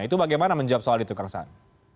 itu bagaimana menjawab soal itu kang saan